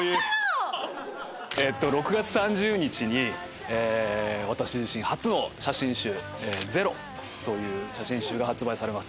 ６月３０日に私自身初の写真集『Ｚ−Ｅｒｏ』という写真集が発売されます。